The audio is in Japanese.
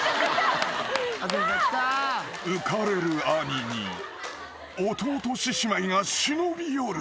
［浮かれる兄に弟獅子舞が忍び寄る］